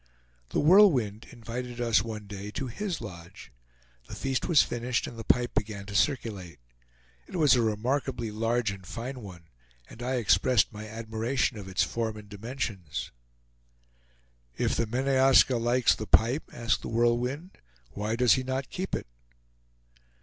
The Whirlwind invited us one day to his lodge. The feast was finished, and the pipe began to circulate. It was a remarkably large and fine one, and I expressed my admiration of its form and dimensions. "If the Meneaska likes the pipe," asked The Whirlwind, "why does he not keep it?"